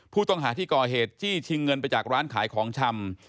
ผู้ต้องหาที่ก่อเหตุจี้ชิงเงินไปจากร้านขายของชำ